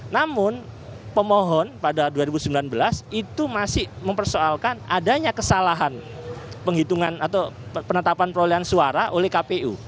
namun pemohon pada dua ribu sembilan belas itu masih mempersoalkan adanya kesalahan penghitungan atau penetapan perolehan suara oleh kpu